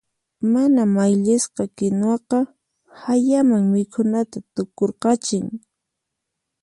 Mana mayllisqa kinuwaqa hayaman mikhunata tukurqachin.